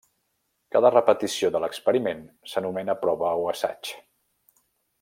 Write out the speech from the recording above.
Cada repetició de l'experiment s'anomena prova o assaig.